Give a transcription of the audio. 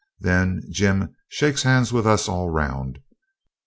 Then Jim shakes hands with us all round.